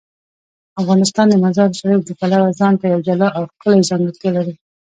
افغانستان د مزارشریف د پلوه ځانته یوه جلا او ښکلې ځانګړتیا لري.